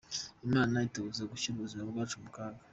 Imana itubuza gushyira ubuzima bwacu mu kaga.